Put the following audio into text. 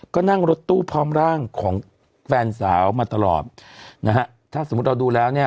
ก็นั่งรถตู้พร้อมร่างของแฟนสาวมาตลอดนะฮะถ้าสมมุติเราดูแล้วเนี่ย